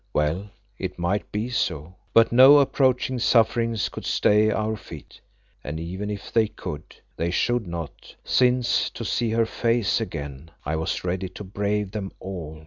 Well, it might be so, but no approaching sufferings could stay our feet. And even if they could, they should not, since to see her face again I was ready to brave them all.